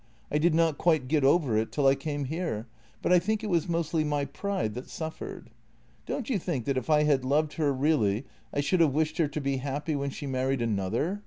I did not quite get over it till I came here, but I think it was mostly my pride that suffered. Don't you think that if I had loved her really, I should have wished her to be happy when she married another?